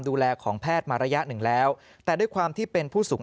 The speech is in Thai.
ดูแลของแพทย์มาระยะหนึ่งแล้วแต่ด้วยความที่เป็นผู้สูง